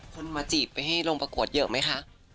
คนมาจีบไปให้ลงประกวดเยอะไหมคะ